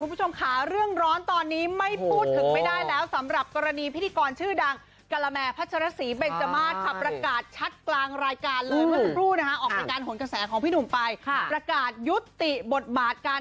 คุณผู้ชมคะเรื่องร้อนตอนนี้ไม่พูดถึงไปได้แล้ว